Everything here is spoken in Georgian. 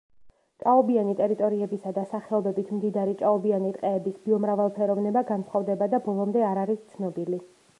ჭაობიანი ტერიტორიებისა და სახეობებით მდიდარი ჭაობიანი ტყეების ბიომრავალფეროვნება განსხვავდება და ბოლომდე არ არის ცნობილი.